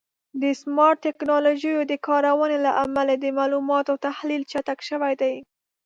د سمارټ ټکنالوژیو د کارونې له امله د معلوماتو تحلیل چټک شوی دی.